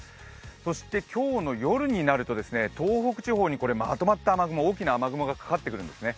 そして今日の夜になると東北地方にまとまった雨雲、大きな雨雲がかかってくるんですね。